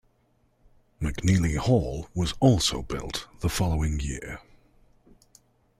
McNeely Hall was also built the following year.